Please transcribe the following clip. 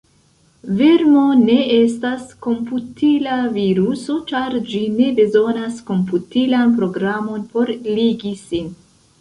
Vermo ne estas komputila viruso ĉar ĝi ne bezonas komputilan programon por ligi sin.